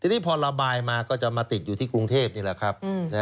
ทีนี้พอระบายมาก็จะมาติดอยู่ที่กรุงเทพนี่แหละครับ